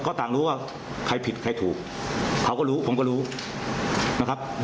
ก็ต่างรู้ว่าใครผิดใครถูกเขาก็รู้ผมก็รู้นะครับ